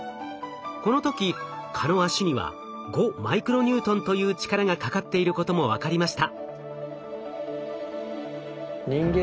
この時蚊の脚には５マイクロニュートンという力がかかっていることも分かりました。